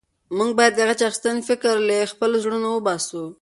موږ باید د غچ اخیستنې فکر له خپلو زړونو وباسو.